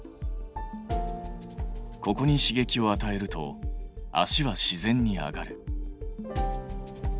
ここに刺激をあたえると足は自然に上がる。